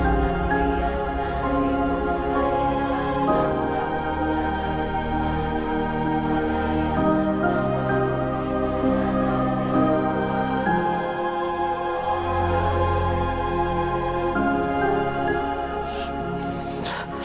keisha bangun besides